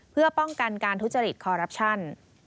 เพื่อป้องกันการทุจริตคอรัปชั่น